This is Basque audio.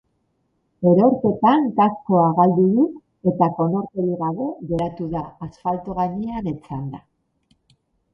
Erorketan kaskoa galdu du eta konorterik gabe geratu da asfalto gainean etzanda.